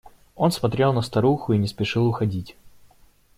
Он смотрел на старуху и не спешил уходить.